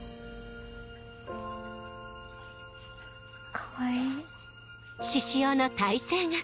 かわいい。